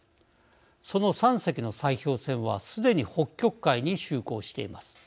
その３隻の砕氷船はすでに北極海に就航しています。